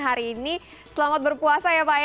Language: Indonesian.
hari ini selamat berpuasa ya pak ya